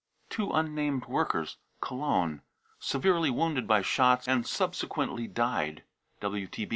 two unnamed workers, Cologne, severely wounded by shots and subsequently died.